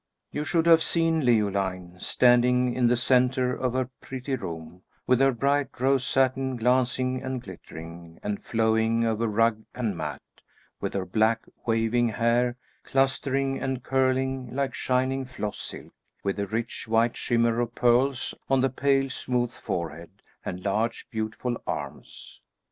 You should have seen Leoline standing in the centre of her pretty room, with her bright rose satin glancing and glittering, and flowing over rug and mat; with her black waving hair clustering and curling like shining floss silk; with a rich white shimmer of pearls on the pale smooth forehead and large beautiful arms.